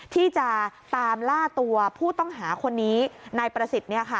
ที่จะตามล่าตัวผู้ต้องหาคนนี้นายประสิทธิ์